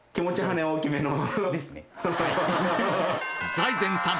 財前さん